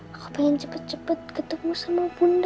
aku pengen cepet cepet ketemu sama bunda